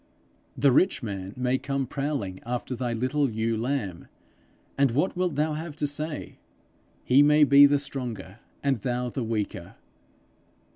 The rich man may come prowling after thy little ewe lamb, and what wilt thou have to say? He may be the stronger, and thou the weaker!